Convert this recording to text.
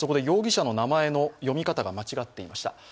容疑者の名前の読み方が間違っていました。